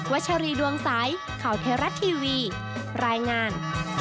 ชัชรีดวงใสข่าวเทราะทีวีรายงาน